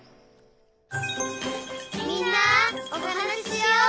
「みんなおはなししよう」